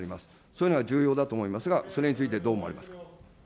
そういうのは重要だと思いますが、それについてどう思われますか。